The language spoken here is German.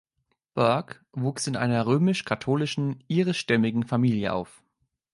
Burke wuchs in einer römisch-katholischen, irischstämmigen Familie auf.